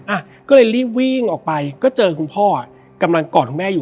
อ่ะก็เลยรีบวิ่งออกไปก็เจอคุณพ่ออ่ะกำลังกอดคุณแม่อยู่